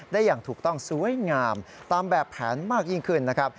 อย่างถูกต้องสวยงามตามแบบแผนมากยิ่งขึ้นนะครับ